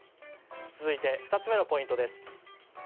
続いて２つ目のポイントです。